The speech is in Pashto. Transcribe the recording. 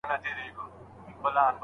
قومي ننګه د ټولنې د يووالي برخه ده.